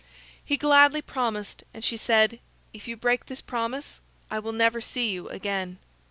He gladly promised, and she said: "If you break this promise, I will never see you again."